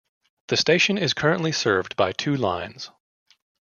The station is currently served by two lines.